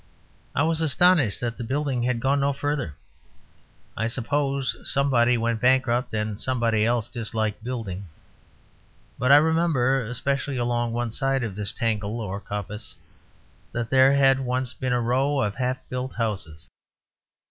I was astonished that the building had gone no farther; I suppose somebody went bankrupt and somebody else disliked building. But I remember, especially along one side of this tangle or coppice, that there had once been a row of half built houses.